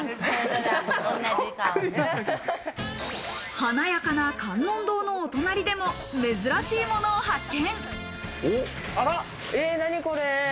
華やかな観音堂のお隣でも珍しいものを発見。